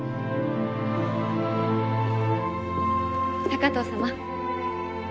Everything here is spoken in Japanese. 高藤様。